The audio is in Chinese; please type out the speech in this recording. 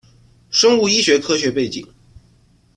生物医学科学背景